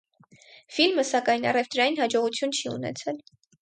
Ֆիլմը, սակայն, առևտրային հաջողություն չի ունեցել։